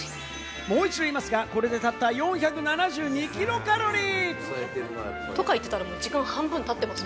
もう一度言いますが、これでたったの４７２キロカロリー。